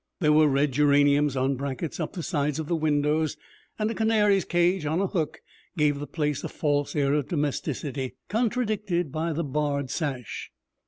There were red geraniums on brackets up the sides of the windows, and a canary's cage on a hook gave the place a false air of domesticity, contradicted by the barred sash.